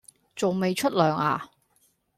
仲未出糧呀